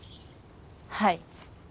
はい。